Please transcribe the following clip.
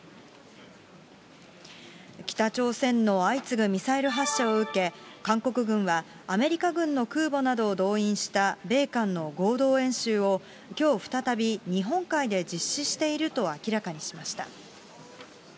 北朝鮮の相次ぐミサイル発射を受け、韓国軍は、アメリカ軍の空母などを動員した米韓の合同演習を、きょう再び日本海で実施していると明らかにしました。